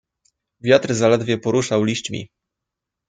"Wiatr zaledwie poruszał liśćmi."